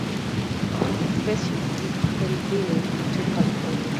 This species is endemic to California.